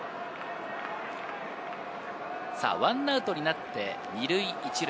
１アウトになって２塁１塁。